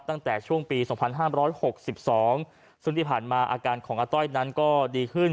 ตั้งแต่ช่วงปี๒๕๖๒ซึ่งที่ผ่านมาอาการของอาต้อยนั้นก็ดีขึ้น